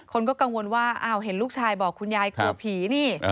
คนก็กังวลว่าอ้าวเห็นลูกชายบอกคุณยายกลัวผีนี่